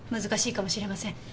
難しいかもしれません。